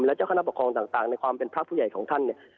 และเจ้าคณะปกครองต่างในความเป็นพระผู้ใหญ่ของท่านเนี่ย